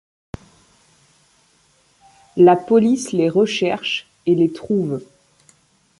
La police les recherche, et les trouve.